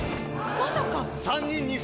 まさか！